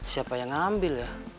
siapa yang ngambil ya